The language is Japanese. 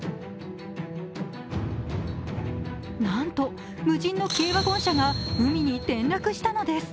なんと無人の軽ワゴン車が海に転落したのです。